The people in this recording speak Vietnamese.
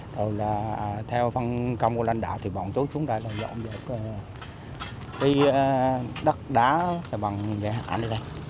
rồi là theo phân công của lãnh đạo thì bọn tôi xuống đây là dọn dẹp đi đất đá xà bằng dẹp hạn đi đây